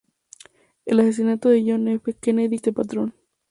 El asesinato de John F. Kennedy continuó este patrón.